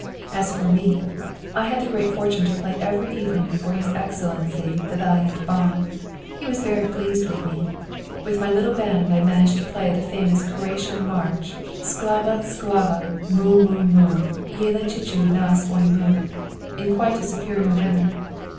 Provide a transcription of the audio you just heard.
As for me, I had the good fortune to play every evening before his Excellency the valiant Ban. He was very pleased with me. With my little band I managed to play the famous Croatian march, 'Szláva, szláva, mu, mu, mu, Jelacsicsu nas omu,' in quite a superior manner.